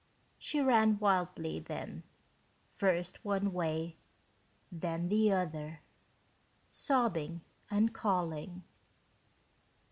She ran wildly then, first one way, then the other, sobbing and calling.